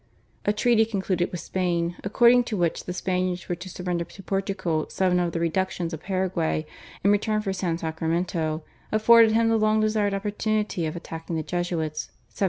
A treaty concluded with Spain, according to which the Spaniards were to surrender to Portugal seven of the Reductions of Paraguay in return for San Sacramento, afforded him the long desired opportunity of attacking the Jesuits (1750).